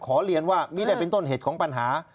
เรียนว่าไม่ได้เป็นต้นเหตุของปัญหา